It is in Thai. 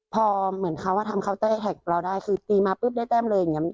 พอเหมือนเขาว่าทำคาวเต้แคกเราได้คือตีมาปึ๊บได้แต้มเลยอย่างเงี้ย